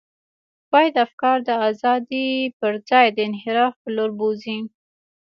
باید افکار د ازادۍ پر ځای د انحراف پر لور بوزي.